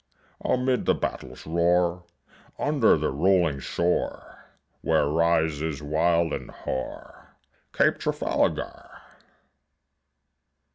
Amid the battle's roar, Under the rolling shore Where rises wild and hoar Cape Trafalgar.